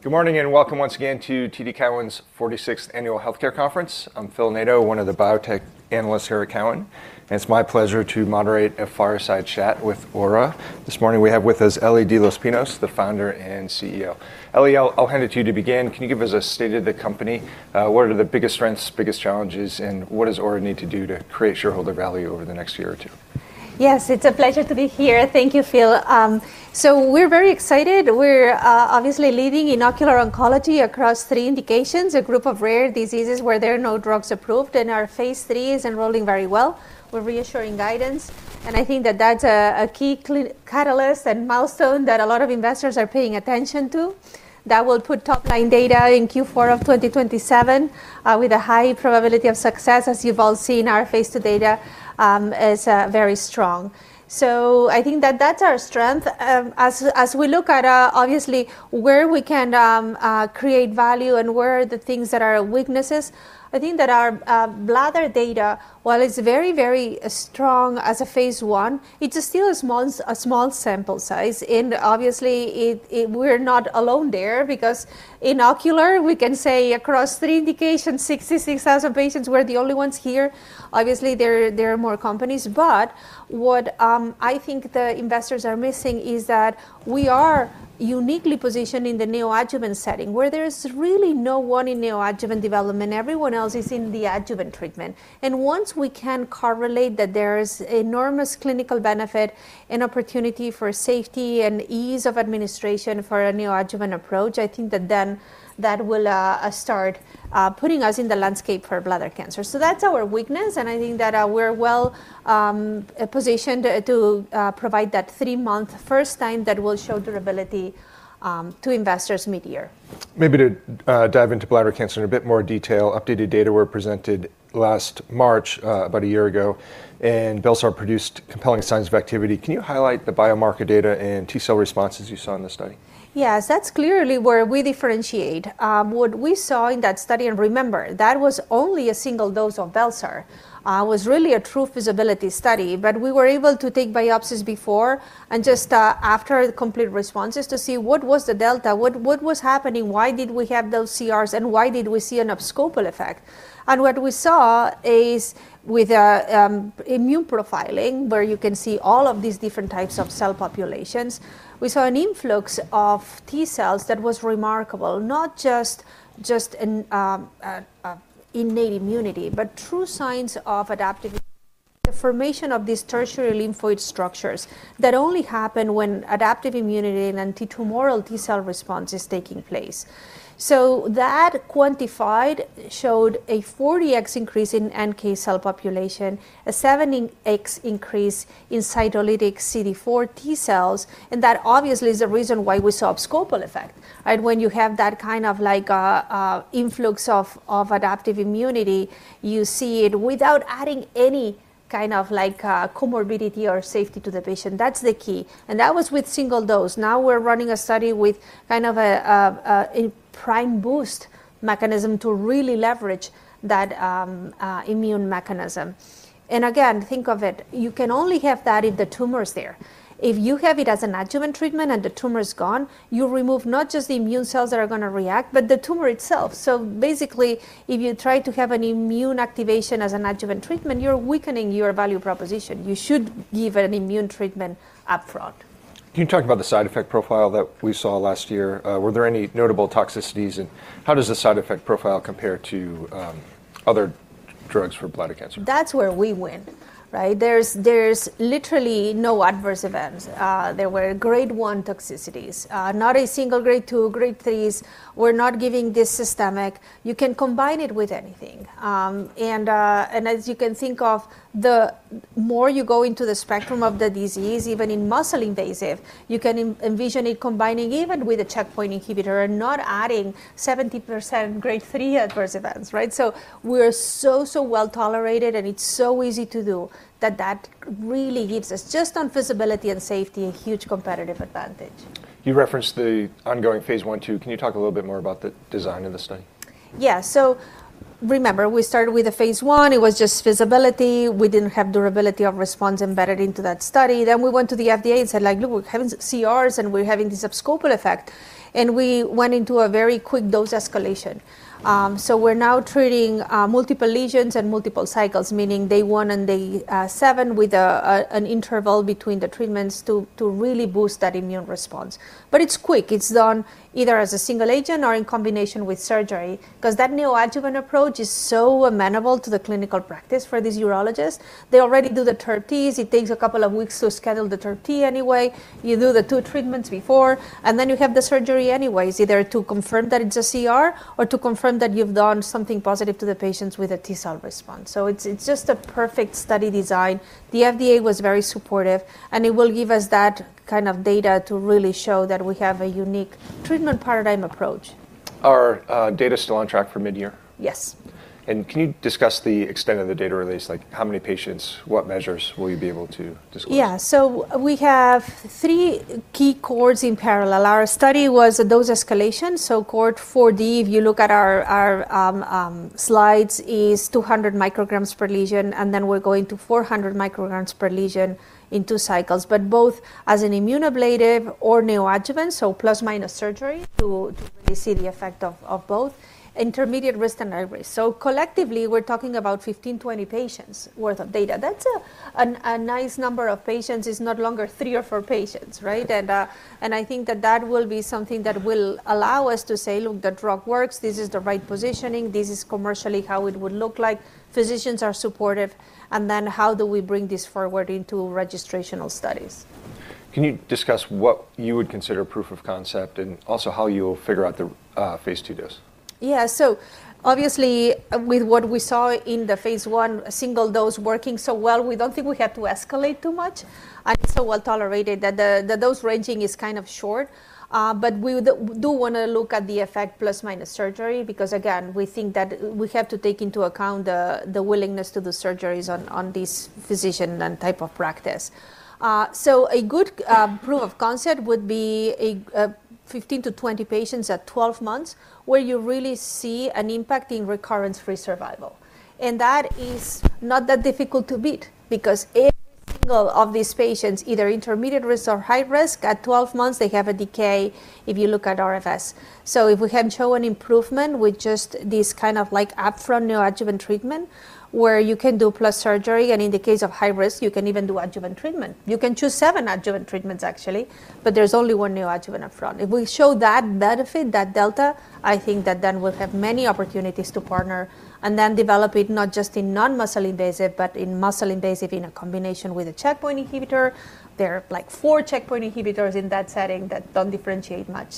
Good morning, welcome once again to TD Cowen's 46th Annual Healthcare Conference. I'm Phil Nadeau, one of the biotech analysts here at Cowen, and it's my pleasure to moderate a fireside chat with Aura. This morning, we have with us Eli de los Pinos, the founder and CEO. Eli, I'll hand it to you to begin. Can you give us a state of the company? What are the biggest strengths, biggest challenges, and what does Aura need to do to create shareholder value over the next year or two? Yes, it's a pleasure to be here. Thank you, Phil. We're very excited. We're obviously leading in ocular oncology across three indications, a group of rare diseases where there are no drugs approved, and our phase III is enrolling very well. We're reassuring guidance, and I think that that's a key catalyst and milestone that a lot of investors are paying attention to. That will put top-line data in Q4 of 2027, with a high probability of success. As you've all seen, our phase II data is very strong. I think that that's our strength. As we look at obviously where we can create value and where are the things that are weaknesses, I think that our bladder data, while it's very, very strong as a phase I, it's still a small sample size. Obviously it, we're not alone there because in ocular, we can say across three indications, 66,000 patients, we're the only ones here. Obviously, there are more companies. What I think the investors are missing is that we are uniquely positioned in the neoadjuvant setting where there's really no one in neoadjuvant development. Everyone else is in the adjuvant treatment. Once we can correlate that there's enormous clinical benefit and opportunity for safety and ease of administration for a neoadjuvant approach, I think that then that will start putting us in the landscape for bladder cancer. That's our weakness, and I think that we're well positioned to provide that three-month first time that will show durability to investors mid-year. Maybe to dive into bladder cancer in a bit more detail, updated data were presented last March, about a year ago, and bel-sar produced compelling signs of activity. Can you highlight the biomarker data and T-cell responses you saw in the study? Yes. That's clearly where we differentiate. What we saw in that study, and remember, that was only a single dose of bel-sar, was really a true feasibility study. We were able to take biopsies before and just after complete responses to see what was the delta, what was happening, why did we have those CRs, and why did we see an abscopal effect. What we saw is with immune profiling, where you can see all of these different types of cell populations, we saw an influx of T-cells that was remarkable, not just in innate immunity, but true signs of adaptive, the formation of these tertiary lymphoid structures that only happen when adaptive immunity and anti-tumorality cell response is taking place. That quantified showed a 40x increase in NK cell population, a 7x increase in cytolytic CD4 T-cells, and that obviously is the reason why we saw abscopal effect, right? When you have that kind of like influx of adaptive immunity, you see it without adding any kind of like comorbidity or safety to the patient. That's the key. That was with single dose. Now we're running a study with kind of a prime boost mechanism to really leverage that immune mechanism. Again, think of it. You can only have that if the tumor is there. If you have it as an adjuvant treatment and the tumor is gone, you remove not just the immune cells that are gonna react, but the tumor itself. Basically, if you try to have an immune activation as an adjuvant treatment, you're weakening your value proposition. You should give an immune treatment upfront. Can you talk about the side effect profile that we saw last year? Were there any notable toxicities, and how does the side effect profile compare to other drugs for bladder cancer? That's where we win, right? There's literally no adverse events. There were grade 1 toxicities. Not a single grade 2, grade 3s. We're not giving this systemic. You can combine it with anything. As you can think of the more you go into the spectrum of the disease, even in muscle invasive, you can envision it combining even with a checkpoint inhibitor and not adding 70% grade 3 adverse events, right? We're so well-tolerated, and it's so easy to do that that really gives us, just on feasibility and safety, a huge competitive advantage. You referenced the ongoing phase I, II. Can you talk a little bit more about the design of the study? Yeah. Remember, we started with a phase I. It was just feasibility. We didn't have durability of response embedded into that study. We went to the FDA and said, like, "Look, we're having CRs, and we're having this abscopal effect." We went into a very quick dose escalation. We're now treating multiple lesions and multiple cycles, meaning day one and day seven with an interval between the treatments to really boost that immune response. It's quick. It's done either as a single agent or in combination with surgery 'cause that neoadjuvant approach is so amenable to the clinical practice for these urologists. They already do the TURBTs. It takes a couple of weeks to schedule the TURBT anyway. You do the two treatments before, and then you have the surgery anyways, either to confirm that it's a CR or to confirm that you've done something positive to the patients with a T-cell response. It's just a perfect study design. The FDA was very supportive. It will give us that kind of data to really show that we have a unique treatment paradigm approach. Are data still on track for mid-year? Yes. Can you discuss the extent of the data release? Like how many patients, what measures will you be able to disclose? Yeah. We have three key cohorts in parallel. Our study was a dose escalation, Cohort 4d, if you look at our slides, is 200 micrograms per lesion, and then we're going to 400 micrograms per lesion in two cycles. Both as an immunoablative or neoadjuvant, so plus/minus surgery to really see the effect of both. intermediate risk and high risk. Collectively, we're talking about 15-20 patients worth of data. That's a nice number of patients. It's no longer three or four patients, right? I think that will be something that will allow us to say, "Look, the drug works. This is the right positioning. This is commercially how it would look like. Physicians are supportive," and then how do we bring this forward into registrational studies. Can you discuss what you would consider proof of concept and also how you'll figure out the phase II dose? Yeah. Obviously, with what we saw in the phase I, a single dose working so well, we don't think we have to escalate too much, and it's so well-tolerated that the dose ranging is kind of short. We do wanna look at the effect plus/minus surgery because, again, we think that we have to take into account the willingness to do surgeries on these physician and type of practice. A good proof of concept would be a 15-20 patients at 12 months where you really see an impact in recurrence-free survival. That is not that difficult to beat because every single of these patients, either intermediate risk or high risk, at 12 months, they have a decay if you look at RFS. If we can show an improvement with just this kind of, like, upfront neoadjuvant treatment where you can do plus surgery, and in the case of high risk, you can even do adjuvant treatment. You can choose seven adjuvant treatments, actually, but there's only one neoadjuvant upfront. If we show that benefit, that delta, I think that then we'll have many opportunities to partner and then develop it not just in non-muscle invasive, but in muscle invasive in a combination with a checkpoint inhibitor. There are, like, four checkpoint inhibitors in that setting that don't differentiate much.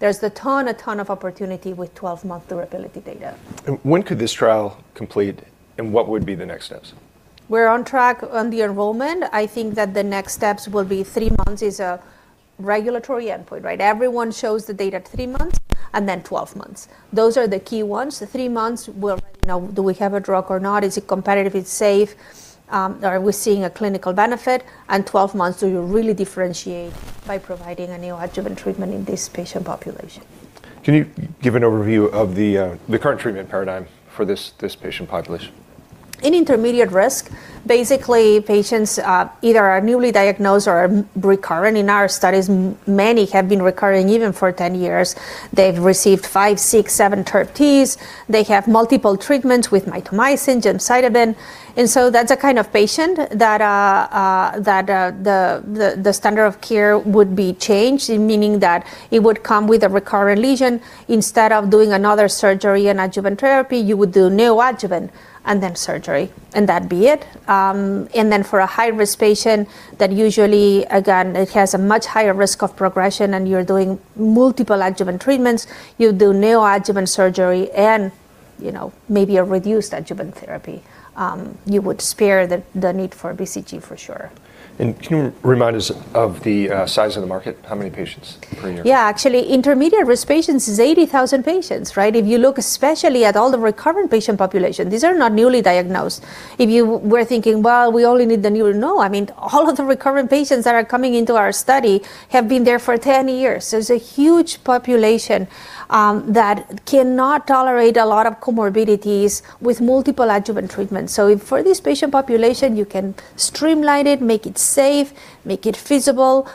There's a ton of opportunity with 12-month durability data. When could this trial complete, and what would be the next steps? We're on track on the enrollment. I think that the next steps will be three months is a regulatory endpoint, right? Everyone shows the data at three months and then 12 months. Those are the key ones. The three months will, you know, do we have a drug or not? Is it competitive? It's safe? Are we seeing a clinical benefit? 12 months, do you really differentiate by providing a neoadjuvant treatment in this patient population? Can you give an overview of the current treatment paradigm for this patient population? In intermediate risk, basically, patients, either are newly diagnosed or are recurring. In our studies, many have been recurring even for 10 years. They've received five, six, seven TURBTs. They have multiple treatments with mitomycin, gemcitabine. So that's a kind of patient that the standard of care would be changed, meaning that it would come with a recurrent lesion. Instead of doing another surgery and adjuvant therapy, you would do neoadjuvant and then surgery, and that'd be it. Then for a high-risk patient that usually, again, it has a much higher risk of progression, and you're doing multiple adjuvant treatments, you do neoadjuvant surgery and, you know, maybe a reduced adjuvant therapy. You would spare the need for BCG for sure. Can you remind me of the size of the market? How many patients per year? Yeah. Actually, intermediate risk patients is 80,000 patients, right? If you look especially at all the recurrent patient population, these are not newly diagnosed. If you were thinking, "Well, we only need the new," no. I mean, all of the recurrent patients that are coming into our study have been there for 10 years. There's a huge population that cannot tolerate a lot of comorbidities with multiple adjuvant treatments. If for this patient population, you can streamline it, make it safe, make it feasible,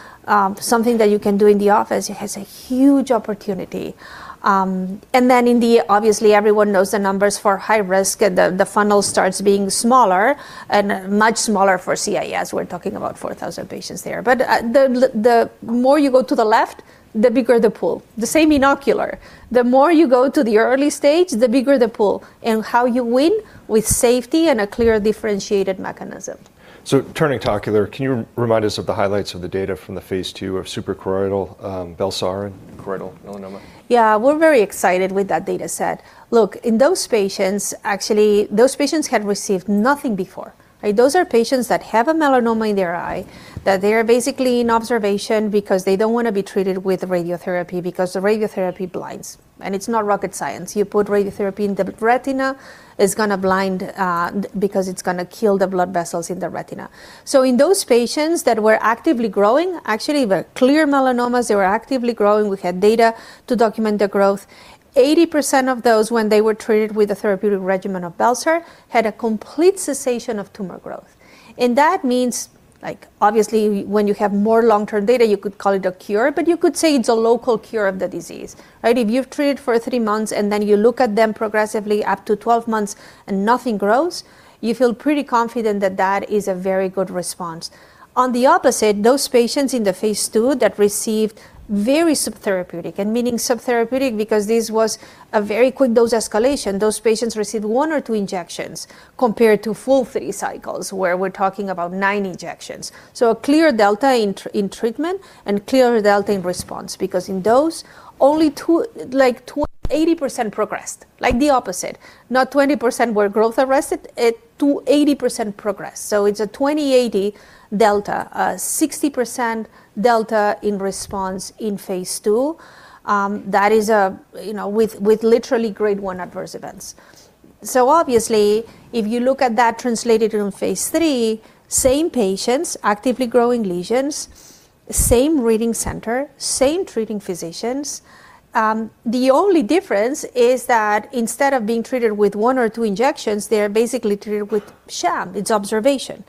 something that you can do in the office, it has a huge opportunity. Obviously, everyone knows the numbers for high risk, and the funnel starts being smaller and much smaller for CIS. We're talking about 4,000 patients there. The more you go to the left, the bigger the pool. The same in ocular. The more you go to the early stage, the bigger the pool. How you win? With safety and a clear differentiated mechanism. Turning to ocular, can you remind us of the highlights of the data from the phase II of suprachoroidal, bel-sar in choroidal melanoma? Yeah. We're very excited with that data set. Look, in those patients, actually, those patients had received nothing before, right? Those are patients that have a melanoma in their eye, that they are basically in observation because they don't wanna be treated with radiotherapy because the radiotherapy blinds, and it's not rocket science. You put radiotherapy in the retina, it's gonna blind because it's gonna kill the blood vessels in the retina. In those patients that were actively growing, actually were clear melanomas, they were actively growing, we had data to document the growth, 80% of those, when they were treated with a therapeutic regimen of bel-sar, had a complete cessation of tumor growth. That means, like, obviously, when you have more long-term data, you could call it a cure, but you could say it's a local cure of the disease, right? If you've treated for three months, then you look at them progressively up to 12 months and nothing grows, you feel pretty confident that that is a very good response. On the opposite, those patients in the phase II that received very subtherapeutic, meaning subtherapeutic because this was a very quick dose escalation. Those patients received one or two injections compared to full three cycles, where we're talking about nine injections. A clear delta in treatment and clear delta in response because in those, only two, like, 80% progressed, like the opposite. Not 20% were growth arrested. It, 80% progressed. It's a 20-80 delta, a 60% delta in response in phase II. That is a, you know, with literally grade 1 adverse events. Obviously, if you look at that translated in phase III, same patients, actively growing lesions, same reading center, same treating physicians. The only difference is that instead of being treated with one or two injections, they're basically treated with sham. It's observation.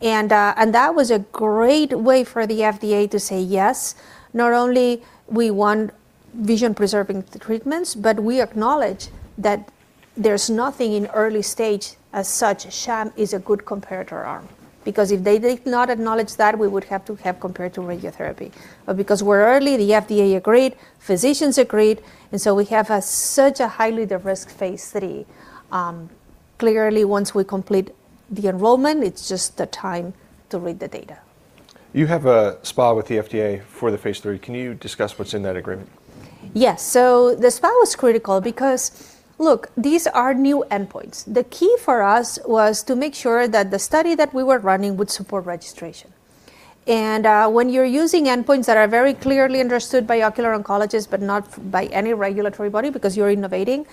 That was a great way for the FDA to say, "Yes, not only we want vision-preserving treatments, but we acknowledge that there's nothing in early stage as such. Sham is a good comparator arm." If they did not acknowledge that, we would have to have comparator radiotherapy. Because we're early, the FDA agreed, physicians agreed, we have a such a highly de-risked phase III. Clearly once we complete the enrollment, it's just the time to read the data. You have a SPA with the FDA for the phase III. Can you discuss what's in that agreement? Yes. The SPA was critical because look, these are new endpoints. The key for us was to make sure that the study that we were running would support registration. When you're using endpoints that are very clearly understood by ocular oncologists, but not by any regulatory body because you're innovating,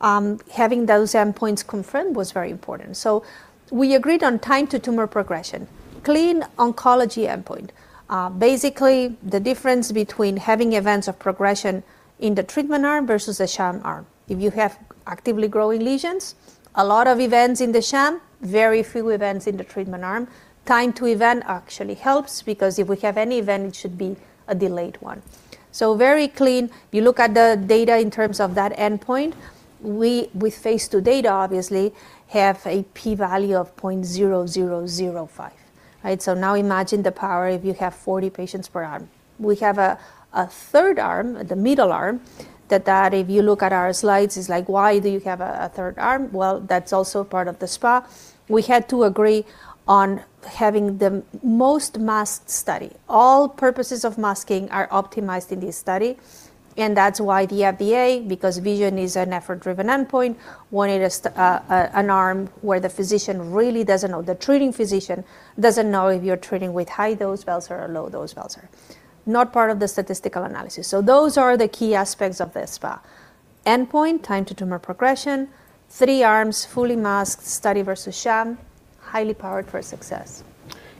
having those endpoints confirmed was very important. We agreed on time to tumor progression. Clean oncology endpoint. Basically the difference between having events of progression in the treatment arm versus the sham arm. If you have actively growing lesions, a lot of events in the sham, very few events in the treatment arm. Time to event actually helps because if we have any event, it should be a delayed one. Very clean. If you look at the data in terms of that endpoint, we, with phase II data obviously, have a p-value of 0.0005, right? Now imagine the power if you have 40 patients per arm. We have a third arm, the middle arm, that if you look at our slides is like, "Why do you have a third arm?" That's also part of the SPA. We had to agree on having the most masked study. All purposes of masking are optimized in this study, and that's why the FDA, because vision is an effort-driven endpoint, wanted us to an arm where the physician really doesn't know, the treating physician doesn't know if you're treating with high-dose bel-sar or low-dose bel-sar. Not part of the statistical analysis. Those are the key aspects of the SPA. Endpoint, time to tumor progression, three arms, fully masked study versus sham, highly powered for success.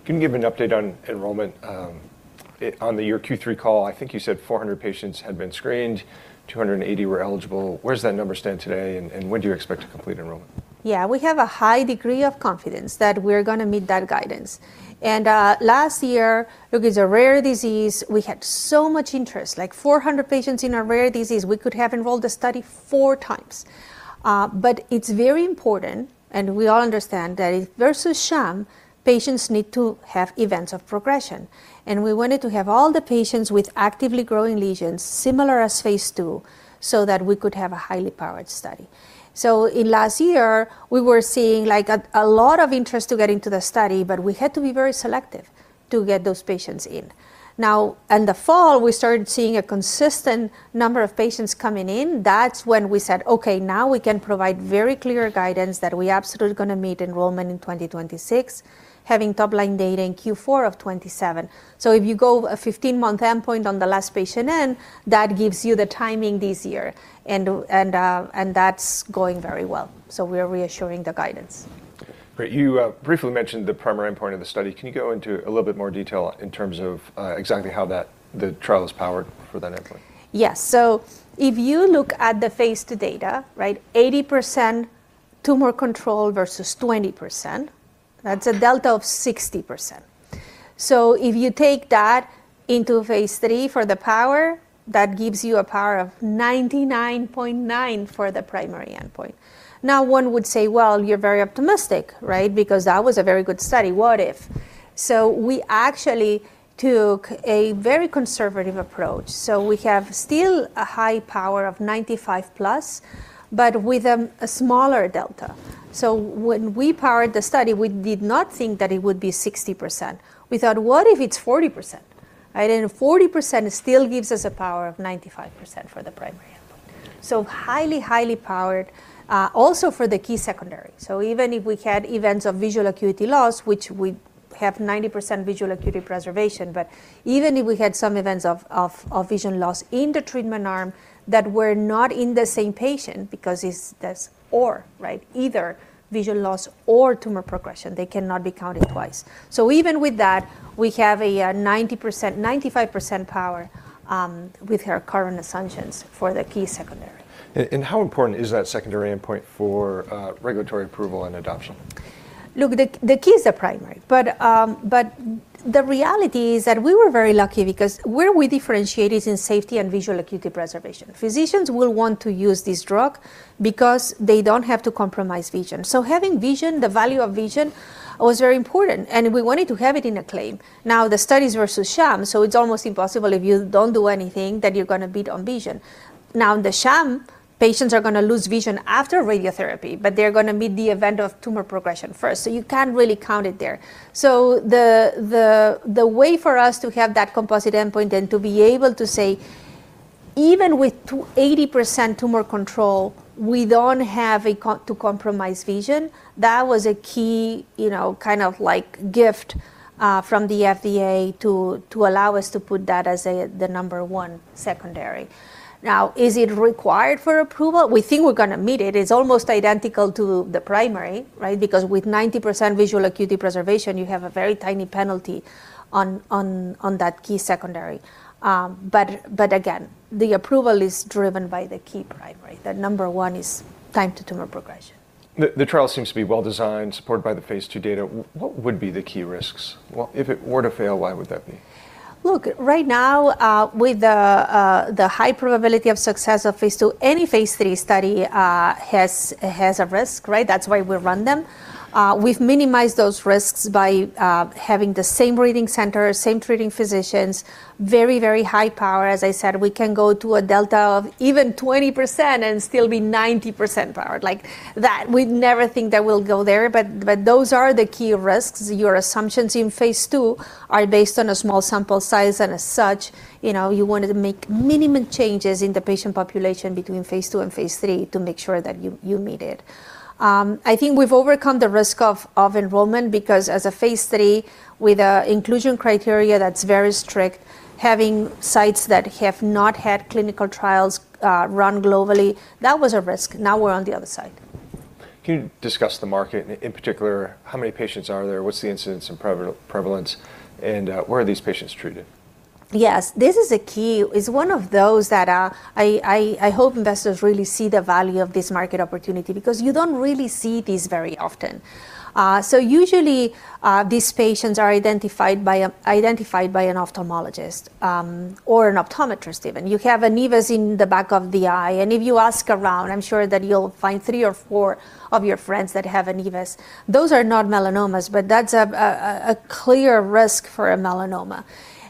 Can you give an update on enrollment? on the year Q3 call, I think you said 400 patients had been screened, 280 were eligible. Where does that number stand today, and when do you expect to complete enrollment? Yeah. We have a high degree of confidence that we're gonna meet that guidance. Last year, look, it's a rare disease, we had so much interest. Like 400 patients in a rare disease, we could have enrolled the study 4x. It's very important, and we all understand that if versus sham, patients need to have events of progression. We wanted to have all the patients with actively growing lesions, similar as phase II, so that we could have a highly powered study. In last year, we were seeing like a lot of interest to get into the study, but we had to be very selective to get those patients in. Now, in the fall, we started seeing a consistent number of patients coming in. That's when we said, "Okay, now we can provide very clear guidance that we're absolutely gonna meet enrollment in 2026, having top-line data in Q4 of 2027." If you go a 15-month endpoint on the last patient in, that gives you the timing this year. That's going very well. We are reassuring the guidance. Great. You briefly mentioned the primary endpoint of the study. Can you go into a little bit more detail in terms of exactly how that, the trial is powered for that endpoint? Yes. If you look at the phase II data, right, 80% tumor control versus 20%, that's a delta of 60%. If you take that into phase III for the power, that gives you a power of 99.9 for the primary endpoint. One would say, "Well, you're very optimistic," right? Because that was a very good study. What if? We actually took a very conservative approach. We have still a high power of 95+, but with a smaller delta. When we powered the study, we did not think that it would be 60%. We thought, "What if it's 40%?" Right? 40% still gives us a power of 95% for the primary endpoint. Highly powered, also for the key secondary. Even if we had events of visual acuity loss, which we have 90% visual acuity preservation, but even if we had some events of vision loss in the treatment arm that were not in the same patient. Either vision loss or tumor progression. They cannot be counted twice. Even with that, we have 90%, 95% power with our current assumptions for the key secondary. How important is that secondary endpoint for regulatory approval and adoption? The key is the primary. The reality is that we were very lucky because where we differentiate is in safety and visual acuity preservation. Physicians will want to use this drug because they don't have to compromise vision. Having vision, the value of vision was very important, and we wanted to have it in a claim. The study's versus sham, it's almost impossible if you don't do anything that you're gonna beat on vision. In the sham, patients are gonna lose vision after radiotherapy, they're gonna meet the event of tumor progression first, you can't really count it there. The way for us to have that composite endpoint and to be able to say, "Even with 80% tumor control, we don't have to compromise vision," that was a key, you know, kind of like gift from the FDA to allow us to put that as the number 1 secondary. Is it required for approval? We think we're gonna meet it. It's almost identical to the primary, right? With 90% visual acuity preservation, you have a very tiny penalty on that key secondary. But again, the approval is driven by the key primary. The number one is time to tumor progression. The trial seems to be well-designed, supported by the phase II data. What would be the key risks? Well, if it were to fail, why would that be? Right now, with the high probability of success of phase II, any phase III study has a risk, right? That's why we run them. We've minimized those risks by having the same reading center, same treating physicians, very high power. As I said, we can go to a delta of even 20% and still be 90% powered. Like, we'd never think that we'll go there, but those are the key risks. Your assumptions in phase II are based on a small sample size, as such, you know, you wanted to make minimum changes in the patient population between phase II and phase III to make sure that you meet it. I think we've overcome the risk of enrollment because as a phase III with an inclusion criteria that's very strict, having sites that have not had clinical trials run globally, that was a risk. Now we're on the other side. Can you discuss the market, in particular, how many patients are there, what's the incidence and prevalence, and where are these patients treated? Yes. This is a key. It's one of those that I hope investors really see the value of this market opportunity because you don't really see this very often. Usually, these patients are identified by an ophthalmologist or an optometrist even. You have a nevus in the back of the eye, and if you ask around, I'm sure that you'll find three or four of your friends that have a nevus. Those are not melanomas, that's a clear risk for a melanoma.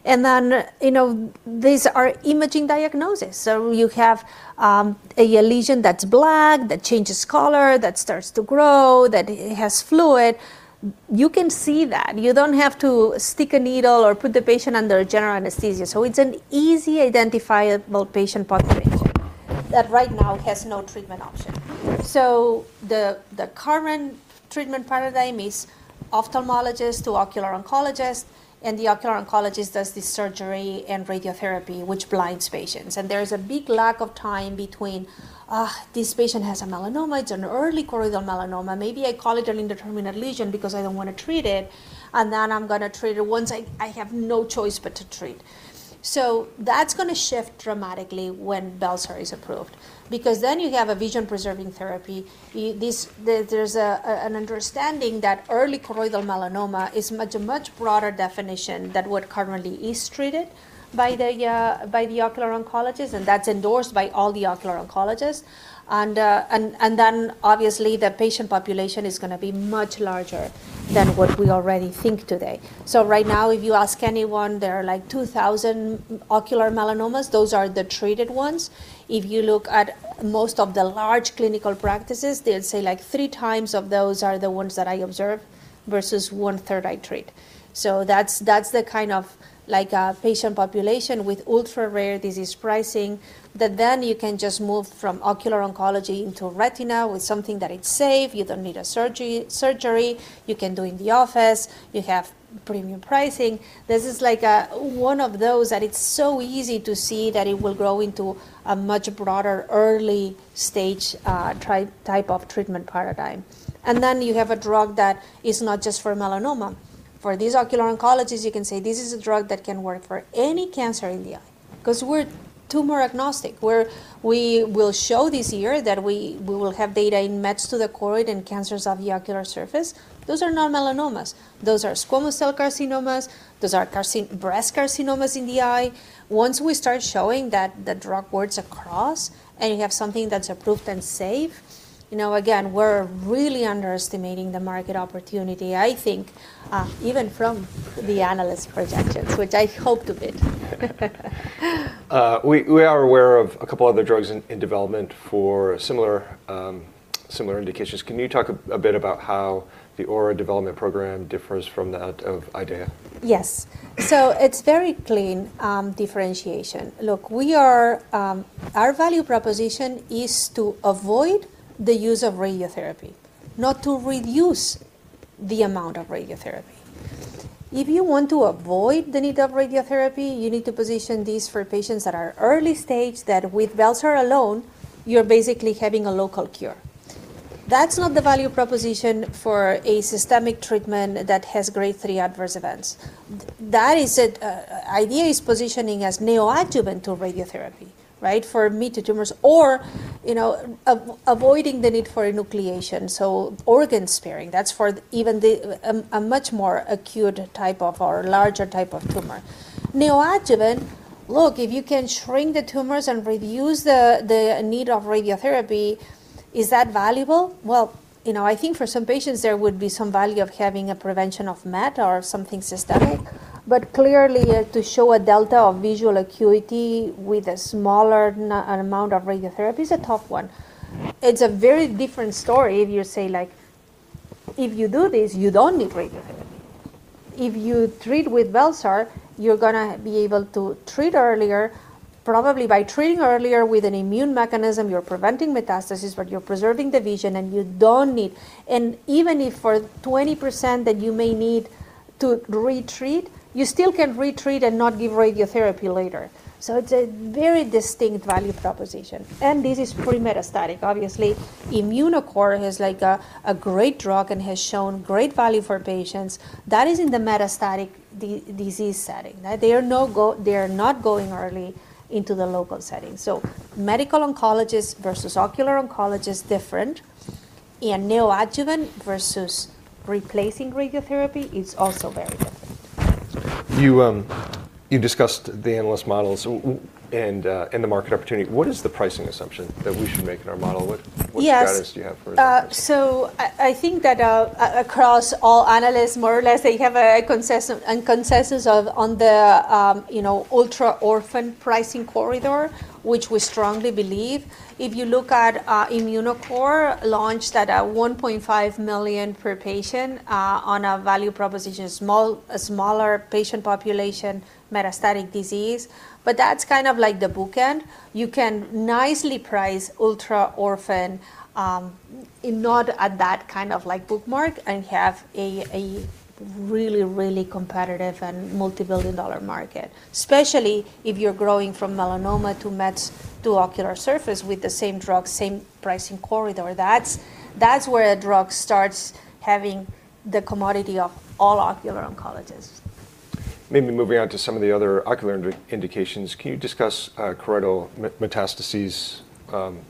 You know, these are imaging diagnosis. You have a lesion that's black, that changes color, that starts to grow, that it has fluid. You can see that. You don't have to stick a needle or put the patient under general anesthesia. It's an easy identifiable patient population that right now has no treatment option. The current treatment paradigm is ophthalmologist to ocular oncologist, and the ocular oncologist does the surgery and radiotherapy, which blinds patients. There is a big lack of time between, "This patient has a melanoma. It's an early choroidal melanoma. Maybe I call it an indeterminate lesion because I don't wanna treat it, and then I'm gonna treat it once I have no choice but to treat." That's gonna shift dramatically when bel-sar is approved because then you have a vision-preserving therapy. There's an understanding that early choroidal melanoma is much, a much broader definition than what currently is treated by the ocular oncologist, and that's endorsed by all the ocular oncologists. Then obviously, the patient population is gonna be much larger than what we already think today. Right now, if you ask anyone, there are like 2,000 ocular melanomas. Those are the treated ones. If you look at most of the large clinical practices, they'll say like, "3x of those are the ones that I observe versus 1/3 I treat." That's, that's the kind of like a patient population with ultra-rare disease pricing that then you can just move from ocular oncology into retina with something that is safe. You don't need a surgery. You can do in the office. You have premium pricing. This is like one of those that it's so easy to see that it will grow into a much broader early stage, type of treatment paradigm. You have a drug that is not just for melanoma. For these ocular oncologists, you can say this is a drug that can work for any cancer in the eye 'cause we're tumor agnostic. We will show this year that we will have data in mets to the choroid and cancers of the ocular surface. Those are not melanomas. Those are squamous cell carcinomas. Those are breast carcinomas in the eye. Once we start showing that the drug works across and you have something that's approved and safe, you know, again, we're really underestimating the market opportunity, I think, even from the analyst projections, which I hope to beat. We are aware of a couple other drugs in development for similar indications. Can you talk a bit about how the Aura development program differs from that of IDEAYA? Yes. It's very clean differentiation. Look, our value proposition is to avoid the use of radiotherapy, not to reduce the amount of radiotherapy. If you want to avoid the need of radiotherapy, you need to position these for patients that are early stage, that with bel-sar alone, you're basically having a local cure. That's not the value proposition for a systemic treatment that has grade 3 adverse events. IDEAYA is positioning as neoadjuvant to radiotherapy, right? For meta tumors or, you know, avoiding the need for enucleation, so organ sparing. That's for even a much more acute type of or larger type of tumor. Neoadjuvant, look, if you can shrink the tumors and reduce the need of radiotherapy, is that valuable? Well, you know, I think for some patients, there would be some value of having a prevention of met or something systemic. Clearly, to show a delta of visual acuity with a smaller amount of radiotherapy is a tough one. It's a very different story if you say like, "If you do this, you don't need radiotherapy." If you treat with bel-sar, you're gonna be able to treat earlier. Probably by treating earlier with an immune mechanism, you're preventing metastasis, but you're preserving the vision, and you don't need... Even if for 20% that you may need to retreat. You still can retreat and not give radiotherapy later. It's a very distinct value proposition. This is pre-metastatic. Obviously, Immunocore has, like, a great drug and has shown great value for patients. That is in the metastatic disease setting. They are not going early into the local setting. Medical oncologist versus ocular oncologist, different. Neoadjuvant versus replacing radiotherapy is also very different. You, you discussed the analyst models and the market opportunity. What is the pricing assumption that we should make in our model? What? Yes. Strategies do you have for that? I think that across all analysts, more or less, they have a consensus on the, you know, ultra-orphan pricing corridor, which we strongly believe. If you look at Immunocore launched at $1.5 million per patient on a value proposition, a smaller patient population, metastatic disease. That's kind of like the bookend. You can nicely price ultra-orphan, not at that kind of, like, bookmark, and have a really, really competitive and multi-billion dollar market, especially if you're growing from melanoma to mets to ocular surface with the same drug, same pricing corridor. That's where a drug starts having the commodity of all ocular oncologists. Maybe moving on to some of the other ocular indications, can you discuss choroidal metastases,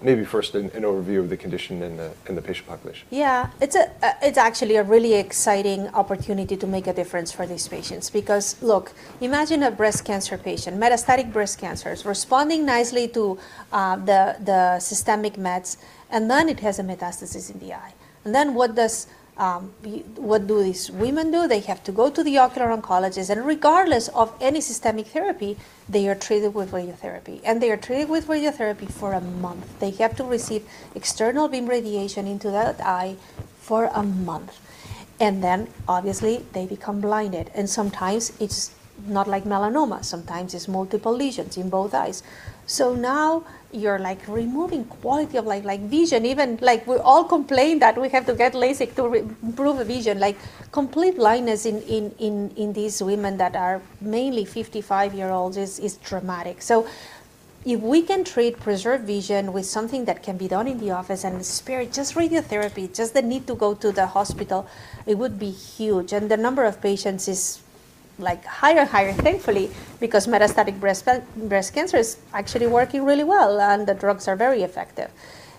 maybe first an overview of the condition and the patient population? Yeah. It's actually a really exciting opportunity to make a difference for these patients because look, imagine a breast cancer patient, metastatic breast cancer, is responding nicely to the systemic meds, it has a metastasis in the eye. What do these women do? They have to go to the ocular oncologist. Regardless of any systemic therapy, they are treated with radiotherapy. They are treated with radiotherapy for a month. They have to receive external beam radiation into that eye for a month. Obviously, they become blinded. Sometimes it's not like melanoma. Sometimes it's multiple lesions in both eyes. Now you're, like, removing quality of, like vision. Even, like, we all complain that we have to get LASIK to re-improve vision. Like, complete blindness in these women that are mainly 55-year-olds is traumatic. If we can treat preserved vision with something that can be done in the office and spare just radiotherapy, just the need to go to the hospital, it would be huge. The number of patients is, like, higher and higher, thankfully, because metastatic breast cancer is actually working really well, and the drugs are very effective.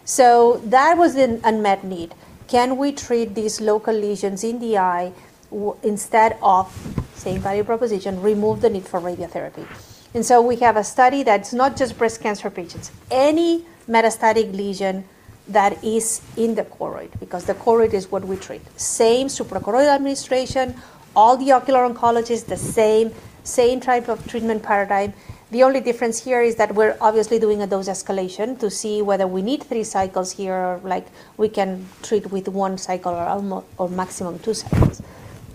That was an unmet need. Can we treat these local lesions in the eye instead of, same value proposition, remove the need for radiotherapy? We have a study that's not just breast cancer patients, any metastatic lesion that is in the choroid, because the choroid is what we treat. Same suprachoroidal administration, all the ocular oncologists the same type of treatment paradigm. The only difference here is that we're obviously doing a dose escalation to see whether we need three cycles here or, like, we can treat with one cycle or maximum two cycles.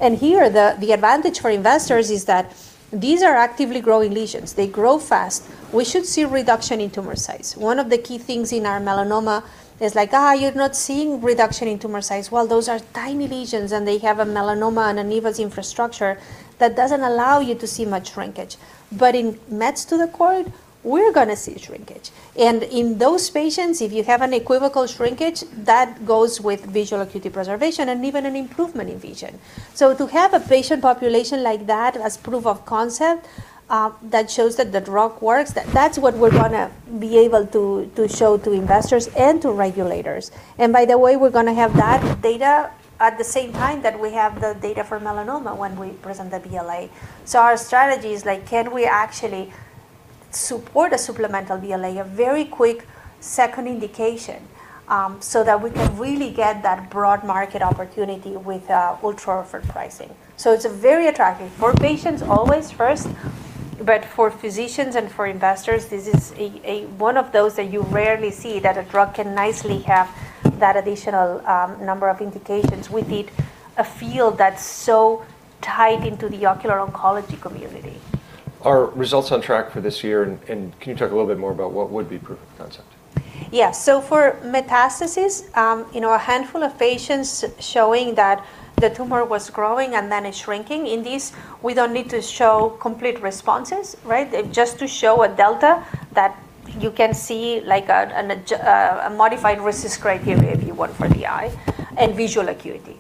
Here, the advantage for investors is that these are actively growing lesions. They grow fast. We should see reduction in tumor size. One of the key things in our melanoma is like, "You're not seeing reduction in tumor size." Well, those are tiny lesions, and they have a melanoma and an tumor microenvironment that doesn't allow you to see much shrinkage. In mets to the choroid, we're gonna see shrinkage. In those patients, if you have an equivocal shrinkage, that goes with visual acuity preservation and even an improvement in vision. To have a patient population like that as proof of concept, that shows that the drug works, that's what we're gonna be able to show to investors and to regulators. By the way, we're gonna have that data at the same time that we have the data for melanoma when we present the BLA. Our strategy is like, can we actually support a supplemental BLA, a very quick second indication, so that we can really get that broad market opportunity with ultra-orphan pricing. It's a very attractive for patients always first, but for physicians and for investors, this is a one of those that you rarely see that a drug can nicely have that additional number of indications within a field that's so tied into the ocular oncology community. Are results on track for this year, and can you talk a little bit more about what would be proof of concept? For metastasis, you know, a handful of patients showing that the tumor was growing and then it's shrinking, in these, we don't need to show complete responses, right? Just to show a delta that you can see like a modified RECIST criteria, if you would, for the eye and visual acuity.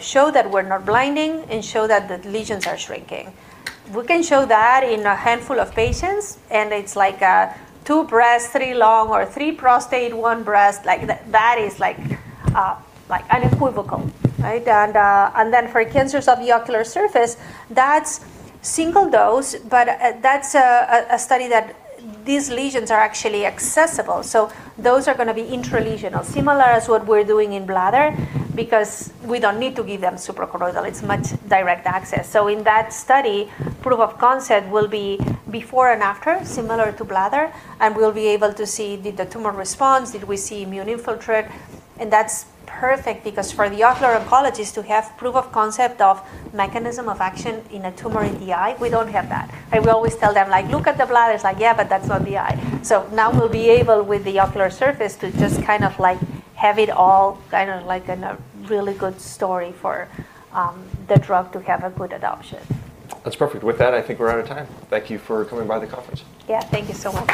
Show that we're not blinding, and show that the lesions are shrinking. We can show that in a handful of patients, and it's like two breast, three lung, or three prostate, one breast, that is like unequivocal, right? Then for cancers of the ocular surface, that's single dose, but that's a study that these lesions are actually accessible. Those are gonna be intralesional, similar as what we're doing in bladder because we don't need to give them suprachoroidal. It's much direct access. In that study, proof of concept will be before and after, similar to bladder, and we'll be able to see did the tumor respond, did we see immune infiltrate. That's perfect because for the ocular oncologist to have proof of concept of mechanism of action in a tumor in the eye, we don't have that. I will always tell them like, "Look at the bladder." It's like, "Yeah, but that's not the eye." Now we'll be able with the ocular surface to just kind of like have it all kind of like in a really good story for the drug to have a good adoption. That's perfect. With that, I think we're out of time. Thank you for coming by the conference. Yeah. Thank you so much.